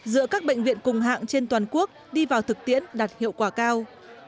giữa các bệnh viện cùng hạng trên toàn quốc đi vào thực tiễn đạt hiệu quả cao